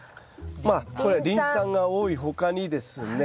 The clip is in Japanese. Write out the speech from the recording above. まあこれはリン酸が多い他にですね